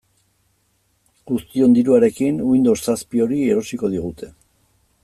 Guztion diruarekin Windows zazpi hori erosiko digute.